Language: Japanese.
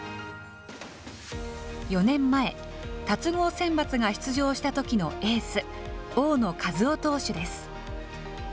４年前、龍郷選抜が出場したときのエース、大野稼頭央投手です。